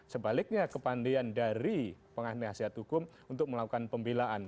sebaliknya kepandean dari pengahniah sehat hukum untuk melakukan pembelaan